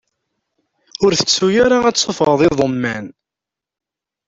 Ur tettu ara ad tessufɣeḍ iḍumman!